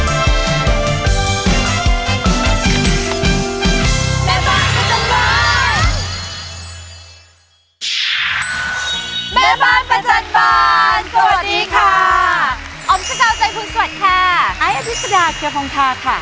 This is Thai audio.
ไอ้อภิกษาเคียงฮงทาค่ะ